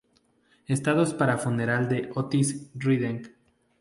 Estados para el funeral de Otis Redding.